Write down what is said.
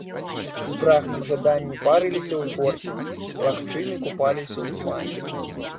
У прагным жаданні парыліся ўзгоркі, лагчыны купаліся ў тумане.